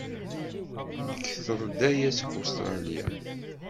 Nekter-d aya seg Ustṛalya.